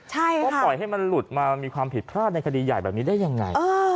เพราะปล่อยให้มันหลุดมามันมีความผิดพลาดในคดีใหญ่แบบนี้ได้ยังไง